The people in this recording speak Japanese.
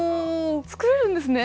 作れるんですね！